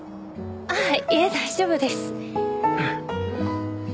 ああいえ大丈夫です。